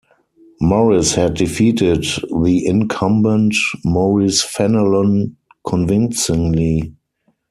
Morris had defeated the incumbent Maurice Fenelon convincingly.